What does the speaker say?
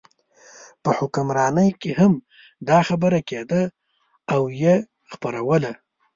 په حکمرانۍ کې هم دا خبره کېده او یې خپروله.